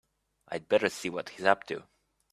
I'd better see what he's up to.